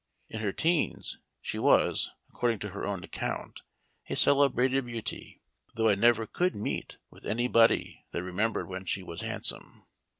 In her teens she Memoir of Washington Irving. 49 was, according to her own account, a celebrated beauty, though I never could meet with any body that remembered when she was handsome.